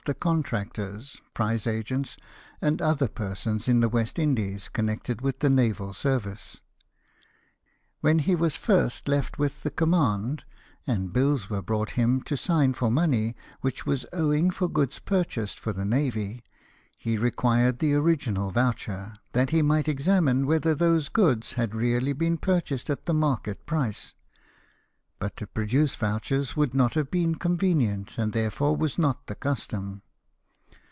the contractors, prize agents, and other persons in the West Indies connected with the naval service. When he was first left with the command, and bills were brought him to sign for money which was owing for goods purchased for the navy, he required the original voucher, that he might examine whether those goods had been really purchased at the market price ; but to produce vouchers would not have been convenient, and therefore was not the custom.